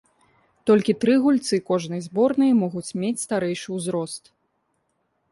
Толькі тры гульцы кожнай зборнай могуць мець старэйшы узрост.